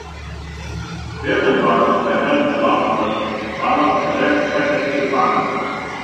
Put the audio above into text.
Firmen war von Behörden erlaubt worden, Wale für Lehrzwecke zu fangen.